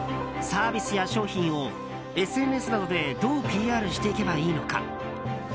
サービスや商品をＳＮＳなどでどうＰＲしていけばいいのか。